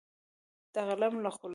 د قلم له خولې